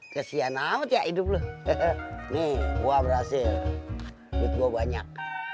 kesian amat ya hidup lu nih gua berhasil banyak